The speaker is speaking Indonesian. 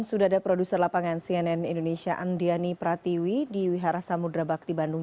sudah ada produser lapangan cnn indonesia andiani pratiwi di wihara samudera bakti bandung